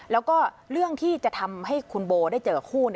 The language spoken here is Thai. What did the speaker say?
แล้วก็เรื่องที่จะทำให้คุณโบได้เจอคู่